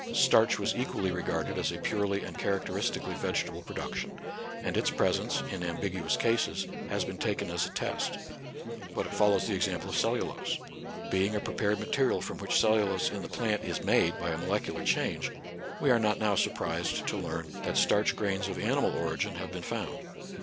Starch was equally regarded as a purely and charac teristically vegetable production ; and its pres ence, in ambiguous cases, has been taken as a test. But it follows the example of cellulose. Being a prepared material from which cellulose 16 NATURAL SCIENCE AND RELIGION. •i in the plant is made by a molecular change, we are not now surprised to learn that starch grains of animal origin have been found.